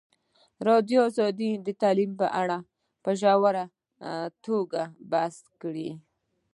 ازادي راډیو د تعلیم په اړه په ژوره توګه بحثونه کړي.